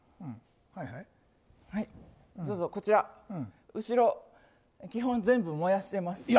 どうぞこちら、後ろは基本全部燃やしてます。